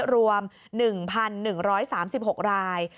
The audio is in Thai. รวม๑๑๓๖ราย